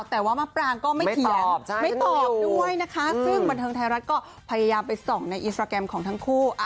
แต่ว่ามะปรางก็ไม่เขียนไม่ตอบด้วยนะคะซึ่งบันเทิงไทยรัฐก็พยายามไปส่องในอินสตราแกรมของทั้งคู่